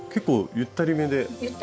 ゆったりめです。